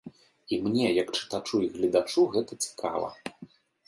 І мне як чытачу і гледачу гэта цікава.